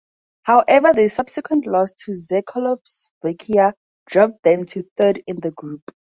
However, their subsequent loss to Czechoslovakia dropped them to third in the group.